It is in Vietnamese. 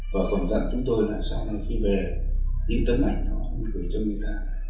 và còn dặn chúng tôi là sau này khi về những tấm ảnh họ cũng gửi cho người ta